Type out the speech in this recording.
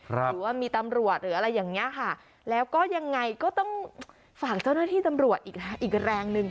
หรือว่ามีตำรวจหรืออะไรอย่างเงี้ยค่ะแล้วก็ยังไงก็ต้องฝากเจ้าหน้าที่ตำรวจอีกแรงหนึ่ง